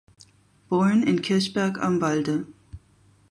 Born in Kirchberg am Walde.